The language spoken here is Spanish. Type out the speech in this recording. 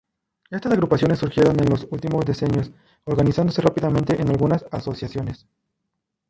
Estas agrupaciones surgieron en los últimos decenios, organizándose rápidamente en algunas asociaciones.